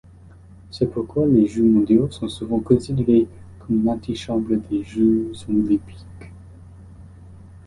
C'est pourquoi les Jeux mondiaux sont souvent considérés comme l'antichambre des Jeux olympiques.